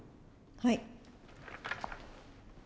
はい。